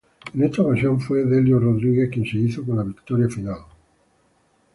En esta ocasión fue Delio Rodríguez quien se hizo con la victoria final.